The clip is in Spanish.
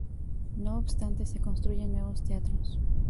No obstante, se construyen nuevos teatros.